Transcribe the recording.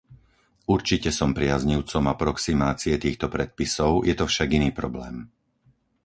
Určite som priaznivcom aproximácie týchto predpisov, je to však iný problém.